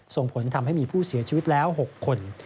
ส่งผลทำให้มีผู้เสียชีวิตแล้ว๖คน